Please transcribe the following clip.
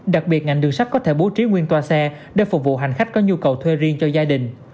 đặc biệt ngành đường sắt có thể bố trí nguyên toa xe để phục vụ hành khách có nhu cầu thuê riêng cho gia đình